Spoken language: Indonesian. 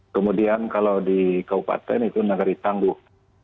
kemudian kalau di kabupaten itu negeri tangguh